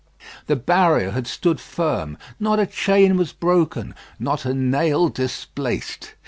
The barrier had stood firm. Not a chain was broken, not a nail displaced.